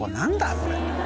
これ。